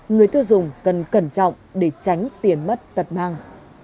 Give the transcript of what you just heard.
người tiêu dùng cần cẩn trọng để tránh tiền mất tật mang